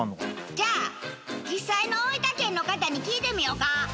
じゃあ実際の大分県の方に聞いてみよか。